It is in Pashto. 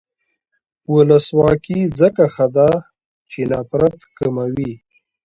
ولسواکي ځکه ښه ده چې نفرت کموي.